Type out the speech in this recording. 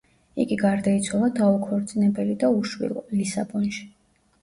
იგი გარდაიცვალა დაუქორწინებელი და უშვილო, ლისაბონში.